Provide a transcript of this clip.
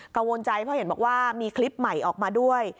กังวลใจเพราะเห็นบอกว่ามีคลิปใหม่ออกมาด้วย